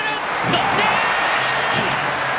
同点！